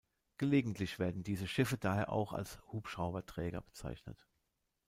Gelegentlich werden diese Schiffe daher auch als Hubschrauberträger bezeichnet.